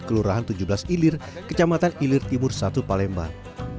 kelurahan tujuh belas ilir kecamatan ilir timur satu palembang